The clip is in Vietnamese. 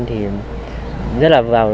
thì rất là vào